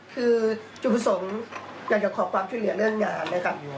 คือจุฐสงฆ์อยากจะขอความช่วยเหลือเรื่องงานนะครับ